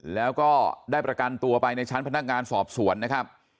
แล้วก็ได้ประกันตัวไปในชั้นพนักงานสอบสวนนะครับ